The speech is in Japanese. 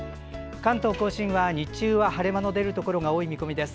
関東・甲信は日中は晴れ間の出るところが多い見込みです。